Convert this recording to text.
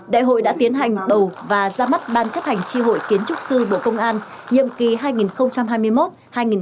đại hội đã tiến hành bầu và ra mắt ban chấp hành tri hội kiến trúc sư bộ công an nhiệm kỳ hai nghìn hai mươi một hai nghìn hai mươi năm